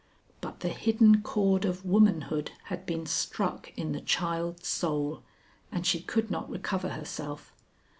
But the hidden chord of womanhood had been struck in the child's soul, and she could not recover herself.